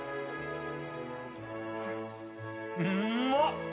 うまっ！